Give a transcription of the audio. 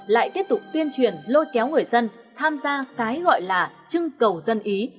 lại tiếp tục tuyên truyền lôi kéo người dân tham gia cái gọi là trưng cầu dân ý